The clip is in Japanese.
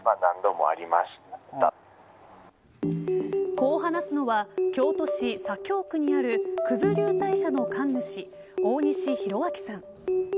こう話すのは京都市左京区にある九頭竜大社の神主大西広晃さん。